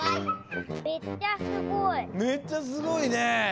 めっちゃすごいね。